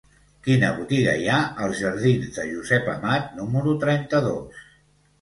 Quina botiga hi ha als jardins de Josep Amat número trenta-dos?